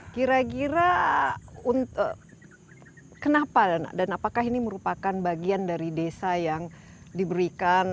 kira kira kenapa dan apakah ini merupakan bagian dari desa yang diberikan